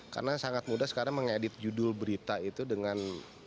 karena sangat mudah sekarang mengedit judul berita itu dengan